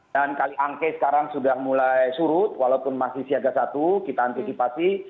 dan kaliangke sekarang sudah mulai surut walaupun masih siaga satu kita antisipasi